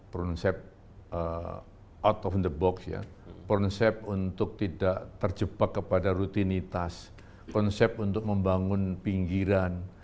konsep out of the box ya konsep untuk tidak terjebak kepada rutinitas konsep untuk membangun pinggiran